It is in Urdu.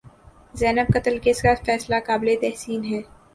زینب قتل کیس کا فیصلہ قابل تحسین ہے۔